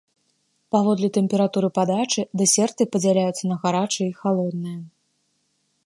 Паводле тэмпературы падачы дэсерты падзяляюцца на гарачыя і халодныя.